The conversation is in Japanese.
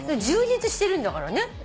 充実してるんだからね。